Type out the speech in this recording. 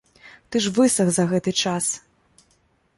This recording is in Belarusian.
Ты ж высах за гэты час.